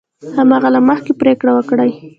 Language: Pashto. هماغه له مخې پرېکړه وکړي.